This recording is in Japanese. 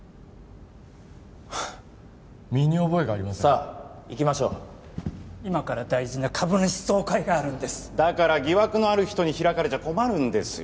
ハッ身に覚えがありませんさあ行きましょう今から大事な株主総会があるんですだから疑惑のある人に開かれちゃ困るんですよ